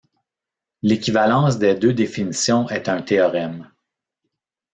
L'équivalence des deux définitions est un théorème.